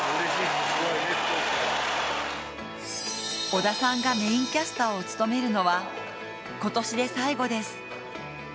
織田さんがメーンキャスターを務めるのは今年で最後です。